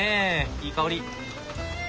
いい香り。